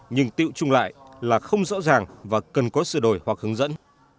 nhưng tiệu chung lại là không rõ ràng và cần có sửa đổi hoặc hướng dẫn